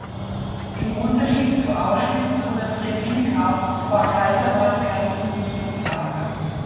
Im Unterschied zu Auschwitz oder Treblinka war Kaiserwald kein Vernichtungslager.